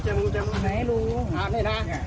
กูเจ็บมือนี่มึงรู้บ้างไง